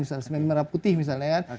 semen merah putih misalnya ya